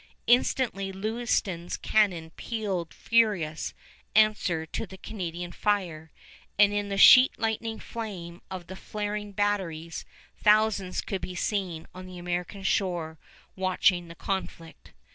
Instantly Lewiston's cannon pealed furious answer to the Canadian fire, and in the sheet lightning flame of the flaring batteries thousands could be seen on the American shore watching the conflict.